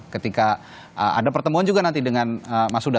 ketika ada pertemuan juga nanti dengan mas huda